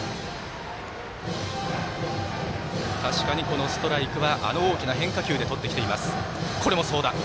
確かにストライクは大きな変化球でとってきています。